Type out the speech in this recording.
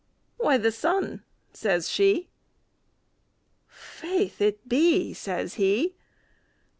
"Why, the sun!" says she. "Faith, it be!" says he.